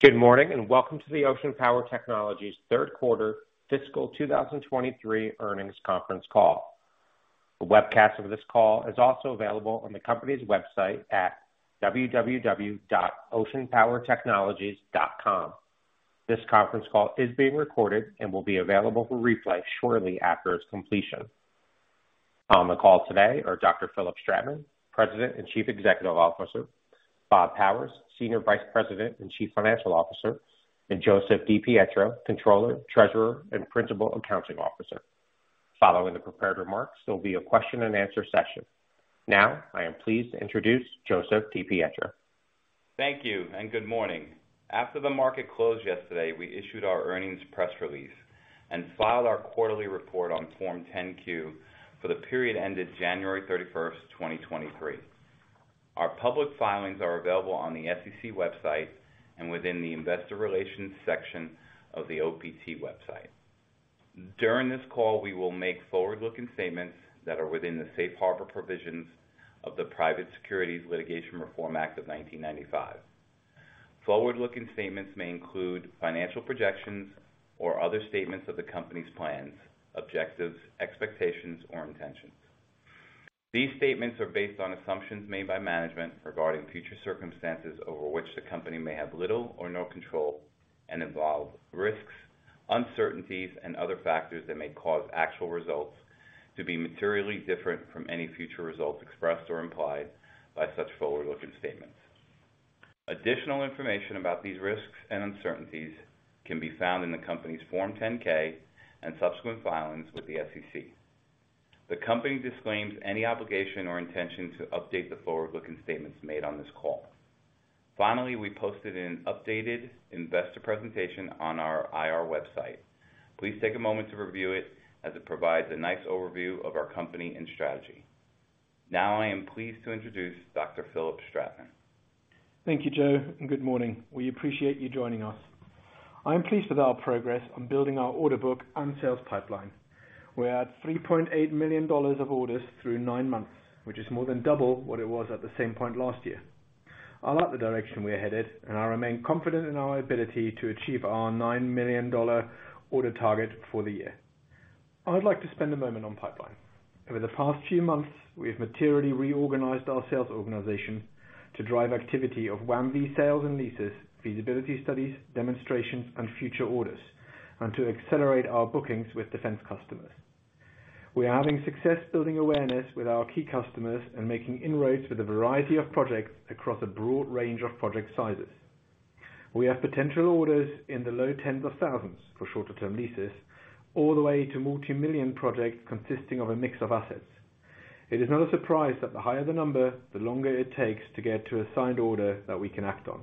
Good morning, welcome to the Ocean Power Technologies third quarter fiscal 2023 earnings conference call. A webcast of this call is also available on the company's website at www.oceanpowertechnologies.com. This conference call is being recorded and will be available for replay shortly after its completion. On the call today are Dr. Philipp Stratmann, President and Chief Executive Officer, Bob Powers, Senior Vice President and Chief Financial Officer, and Joseph DiPietro, Controller, Treasurer, and Principal Accounting Officer. Following the prepared remarks, there'll be a question-and-answer session. I am pleased to introduce Joseph DiPietro. Thank you and good morning. After the market closed yesterday, we issued our earnings press release and filed our quarterly report on Form 10-Q for the period ended January 31st, 2023. Our public filings are available on the SEC website and within the investor relations section of the OPT website. During this call, we will make forward-looking statements that are within the Safe Harbor provisions of the Private Securities Litigation Reform Act of 1995. Forward-looking statements may include financial projections or other statements of the company's plans, objectives, expectations, or intentions. These statements are based on assumptions made by management regarding future circumstances over which the company may have little or no control and involve risks, uncertainties, and other factors that may cause actual results to be materially different from any future results expressed or implied by such forward-looking statements. Additional information about these risks and uncertainties can be found in the company's Form 10-K and subsequent filings with the SEC. The company disclaims any obligation or intention to update the forward-looking statements made on this call. We posted an updated investor presentation on our IR website. Please take a moment to review it as it provides a nice overview of our company and strategy. I am pleased to introduce Dr. Philipp Stratmann. Thank you, Joe, and good morning. We appreciate you joining us. I'm pleased with our progress on building our order book and sales pipeline. We are at $3.8 million of orders through nine months, which is more than double what it was at the same point last year. I like the direction we are headed, and I remain confident in our ability to achieve our $9 million order target for the year. I would like to spend a moment on pipeline. Over the past few months, we have materially reorganized our sales organization to drive activity of WAM-V sales and leases, feasibility studies, demonstrations, and future orders, and to accelerate our bookings with defense customers. We are having success building awareness with our key customers and making inroads with a variety of projects across a broad range of project sizes. We have potential orders in the $ low 10s of thousands for shorter-term leases, all the way to $ multi-million projects consisting of a mix of assets. It is not a surprise that the higher the number, the longer it takes to get to a signed order that we can act on,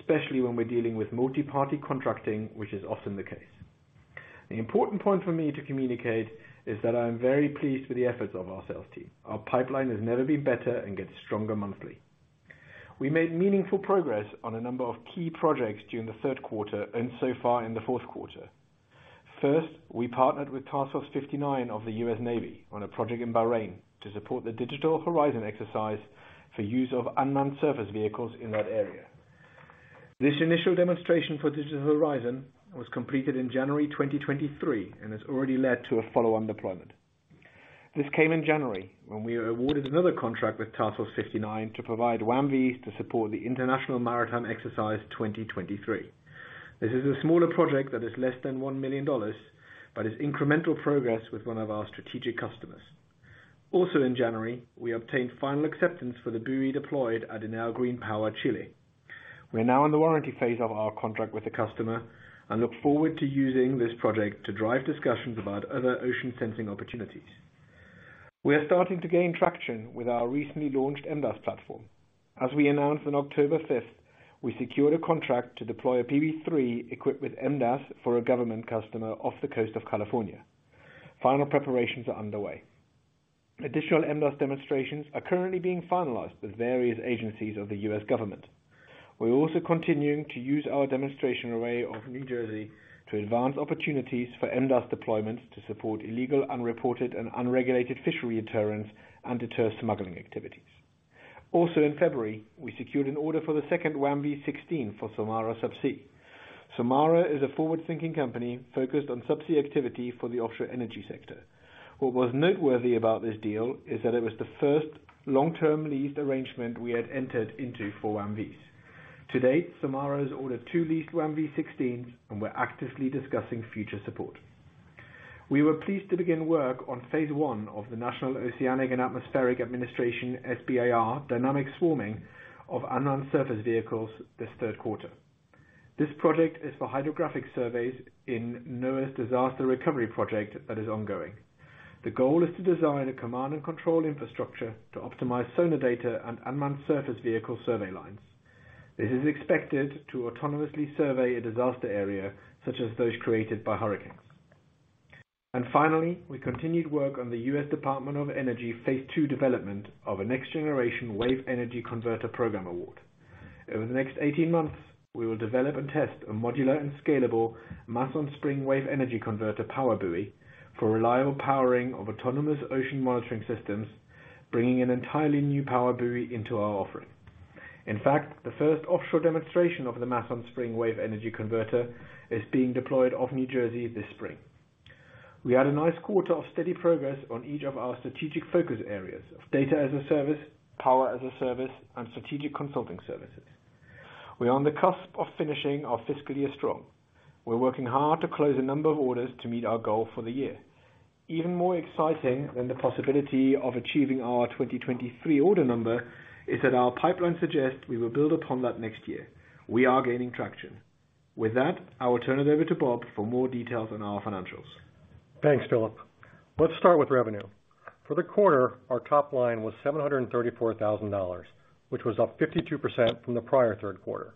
especially when we're dealing with multi-party contracting, which is often the case. The important point for me to communicate is that I am very pleased with the efforts of our sales team. Our pipeline has never been better and gets stronger monthly. We made meaningful progress on a number of key projects during the third quarter and so far in the fourth quarter. First, we partnered with Task Force 59 of the U.S. Navy on a project in Bahrain to support the Digital Horizon exercise for use of unmanned surface vehicles in that area. This initial demonstration for Digital Horizon was completed in January 2023 and has already led to a follow-on deployment. This came in January when we were awarded another contract with Task Force 59 to provide WAM-Vs to support the International Maritime Exercise 2023. This is a smaller project that is less than $1 million but is incremental progress with one of our strategic customers. Also in January, we obtained final acceptance for the buoy deployed at Enel Green Power, Chile. We are now in the warranty phase of our contract with the customer and look forward to using this project to drive discussions about other ocean sensing opportunities. We are starting to gain traction with our recently launched MDAS platform. As we announced on October fifth, we secured a contract to deploy a PB3 equipped with MDAS for a government customer off the coast of California. Final preparations are underway. Additional MDAS demonstrations are currently being finalized with various agencies of the U.S. government. We're also continuing to use our demonstration array of New Jersey to advance opportunities for MDAS deployments to support illegal, unreported, and unregulated fishery deterrence and deter smuggling activities. In February, we secured an order for the second WAM-V 16 for Sulmara. Sulmara is a forward-thinking company focused on subsea activity for the offshore energy sector. What was noteworthy about this deal is that it was the first long-term lease arrangement we had entered into for WAM-Vs. To date, Sulmara has ordered two leased WAM-V 16s, and we're actively discussing future support. We were pleased to begin work on phase I of the National Oceanic and Atmospheric Administration SBIR dynamic swarming of unmanned surface vehicles this third quarter. This project is for hydrographic surveys in NOAA's disaster recovery project that is ongoing. The goal is to design a command and control infrastructure to optimize sonar data and unmanned surface vehicle survey lines. This is expected to autonomously survey a disaster area such as those created by hurricanes. Finally, we continued work on the U.S. Department of Energy phase II development of a next-generation wave energy converter program award. Over the next 18 months, we will develop and test a modular and scalable Mass-On-Spring-Wave-Energy-Converter power buoy for reliable powering of autonomous ocean monitoring systems. Bringing an entirely new power buoy into our offering. In fact, the first offshore demonstration of the Mass-On-Spring-Wave-Energy-Converter is being deployed off New Jersey this spring. We had a nice quarter of steady progress on each of our strategic focus areas of Data as a Service, Power as a Service, and strategic consulting services. We are on the cusp of finishing our fiscal year strong. We're working hard to close a number of orders to meet our goal for the year. Even more exciting than the possibility of achieving our 2023 order number is that our pipeline suggests we will build upon that next year. We are gaining traction. With that, I'll turn it over to Bob for more details on our financials. Thanks, Philipp. Let's start with revenue. For the quarter, our top line was $734,000, which was up 52% from the prior third quarter.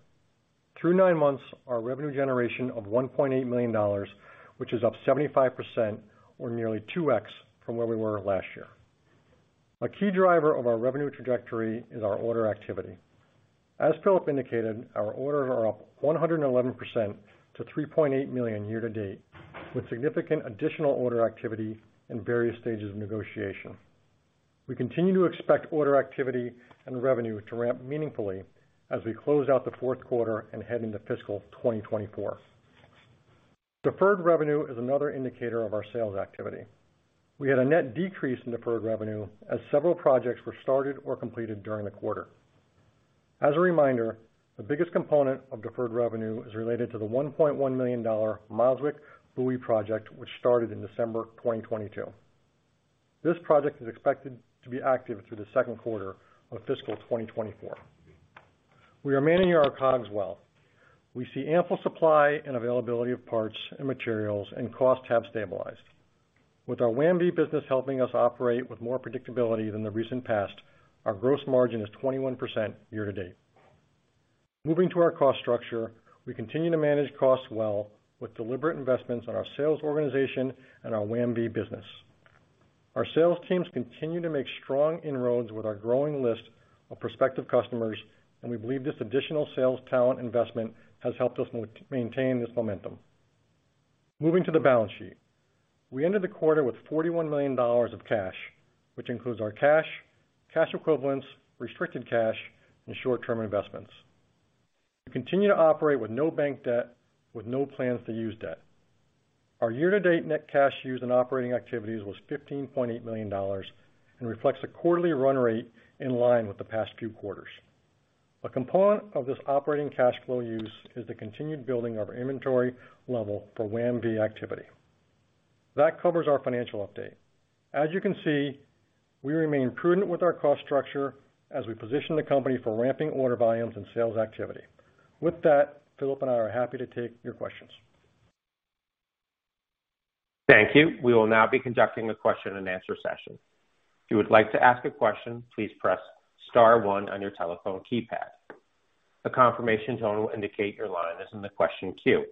Through 9 months, our revenue generation of $1.8 million, which is up 75% or nearly 2x from where we were last year. A key driver of our revenue trajectory is our order activity. As Philipp indicated, our orders are up 111% to $3.8 million year to date, with significant additional order activity in various stages of negotiation. We continue to expect order activity and revenue to ramp meaningfully as we close out the fourth quarter and head into fiscal 2024. Deferred revenue is another indicator of our sales activity. We had a net decrease in deferred revenue as several projects were started or completed during the quarter. As a reminder, the biggest component of deferred revenue is related to the $1.1 million Miros buoy project, which started in December 2022. This project is expected to be active through the second quarter of fiscal 2024. We are managing our COGS well. We see ample supply and availability of parts and materials and costs have stabilized. With our WAM-V business helping us operate with more predictability than the recent past, our gross margin is 21% year to date. Moving to our cost structure, we continue to manage costs well with deliberate investments on our sales organization and our WAM-V business. Our sales teams continue to make strong inroads with our growing list of prospective customers, we believe this additional sales talent investment has helped us maintain this momentum. Moving to the balance sheet. We ended the quarter with $41 million of cash, which includes our cash equivalents, restricted cash, and short-term investments. We continue to operate with no bank debt, with no plans to use debt. Our year-to-date net cash used in operating activities was $15.8 million and reflects a quarterly run rate in line with the past few quarters. A component of this operating cash flow use is the continued building of our inventory level for WAM-V activity. That covers our financial update. As you can see, we remain prudent with our cost structure as we position the company for ramping order volumes and sales activity. With that, Phillipp and I are happy to take your questions. Thank you. We will now be conducting a question and answer session. If you would like to ask a question, please press star one on your telephone keypad. A confirmation tone will indicate your line is in the question queue.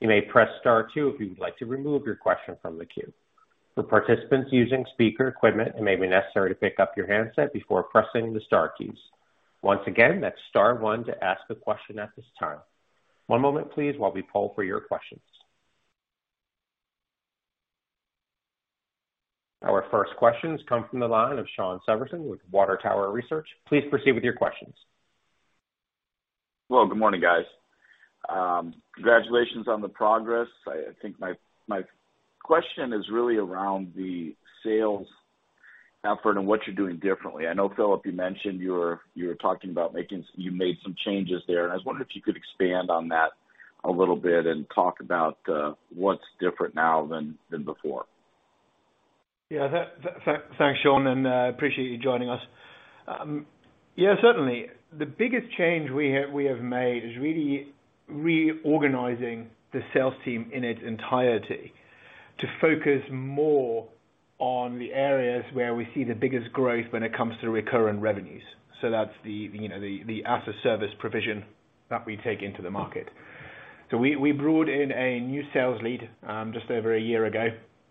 You may press star two if you would like to remove your question from the queue. For participants using speaker equipment, it may be necessary to pick up your handset before pressing the star keys. Once again, that's star one to ask a question at this time. One moment please, while we poll for your questions. Our first questions come from the line of Shawn Severson with Water Tower Research. Please proceed with your questions. Good morning, guys. Congratulations on the progress. I think my question is really around the sales effort and what you're doing differently. I know, Phillipp, you mentioned you were talking about making you made some changes there. I was wondering if you could expand on that a little bit and talk about what's different now than before. Yeah. Thanks, Shawn, appreciate you joining us. Yeah, certainly. The biggest change we have made is really reorganizing the sales team in its entirety to focus more on the areas where we see the biggest growth when it comes to recurring revenues. That's the, you know, the asset service provision that we take into the market. We brought in a new sales lead just over 1 year ago,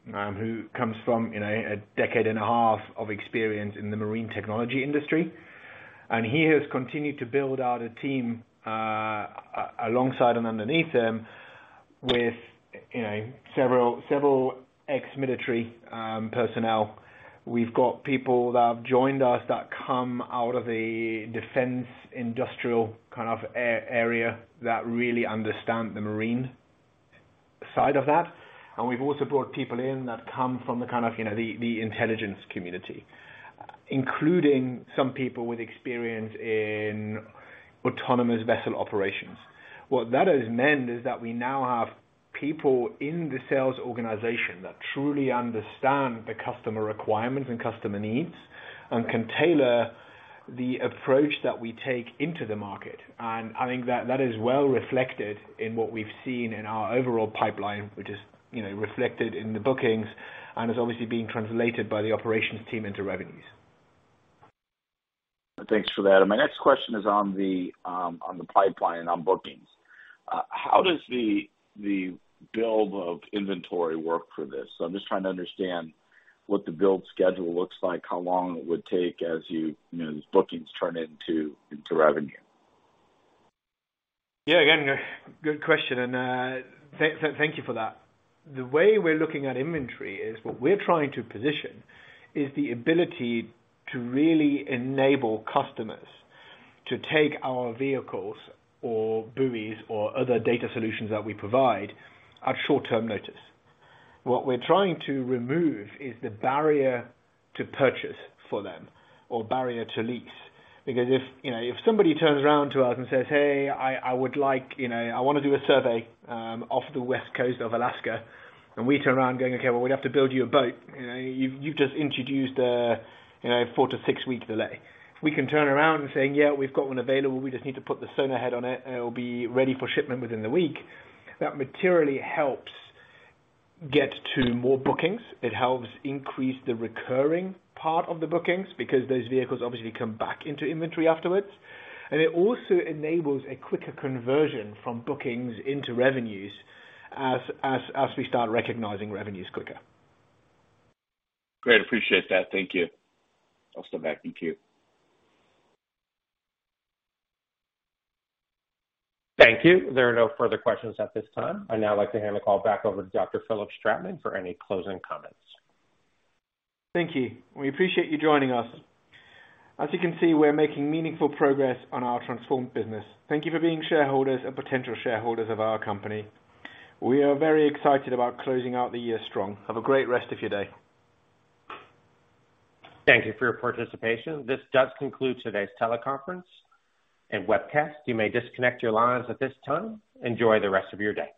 who comes from, you know, a decade and a half of experience in the marine technology industry. He has continued to build out a team alongside and underneath him with, you know, several ex-military personnel. We've got people that have joined us that come out of the defense industrial kind of area that really understand the marine side of that. We've also brought people in that come from the kind of, you know, the intelligence community, including some people with experience in autonomous vessel operations. What that has meant is that we now have people in the sales organization that truly understand the customer requirements and customer needs and can tailor the approach that we take into the market. I think that is well reflected in what we've seen in our overall pipeline, which is, you know, reflected in the bookings and is obviously being translated by the operations team into revenues. Thanks for that. My next question is on the pipeline on bookings. How does the build of inventory work for this? I'm just trying to understand what the build schedule looks like, how long it would take as you know, these bookings turn into revenue. Yeah. Again, good question, and thank you for that. The way we're looking at inventory is what we're trying to position is the ability to really enable customers to take our vehicles or buoys or other data solutions that we provide at short-term notice. What we're trying to remove is the barrier to purchase for them or barrier to lease. If, you know, if somebody turns around to us and says, "Hey, I would like, you know, I wanna do a survey off the West Coast of Alaska," and we turn around going, "Okay, well, we'd have to build you a boat." You know, you've just introduced a, you know, 4-6 week delay. We can turn around and say, "Yeah, we've got one available. We just need to put the sonar head on it, and it'll be ready for shipment within the week." That materially helps get to more bookings. It helps increase the recurring part of the bookings because those vehicles obviously come back into inventory afterwards. It also enables a quicker conversion from bookings into revenues as we start recognizing revenues quicker. Great. Appreciate that. Thank you. I'll step back in queue. Thank you. There are no further questions at this time. I'd now like to hand the call back over to Dr. Philipp Stratmann for any closing comments. Thank you. We appreciate you joining us. As you can see, we're making meaningful progress on our transformed business. Thank you for being shareholders and potential shareholders of our company. We are very excited about closing out the year strong. Have a great rest of your day. Thank you for your participation. This does conclude today's teleconference and webcast. You may disconnect your lines at this time. Enjoy the rest of your day.